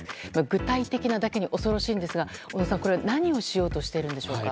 具体的なだけに恐ろしいんですが小野さん何をしようとしているんでしょうか。